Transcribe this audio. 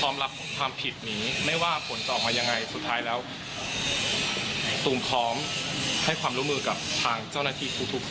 ขอมลับความผิดนี้ไม่ว่าผลจะออกมายังไง